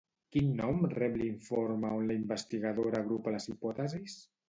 Quin nom rep l'informe on la investigadora agrupa les hipòtesis?